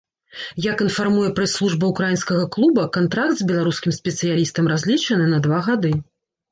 Як інфармуе прэс-служба ўкраінскага клуба, кантракт з беларускім спецыялістам разлічаны на два гады.